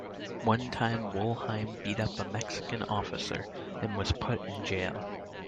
One time Wolheim beat up a Mexican officer and was put in jail.